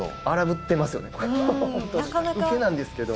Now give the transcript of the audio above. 受けなんですけど。